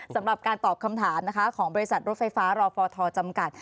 สำหรับการตอบคำถามนะคะของบริษัทรถไฟฟ้ารอฟทจำกัด